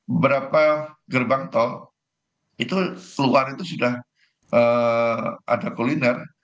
beberapa gerbang tol itu keluar itu sudah ada kuliner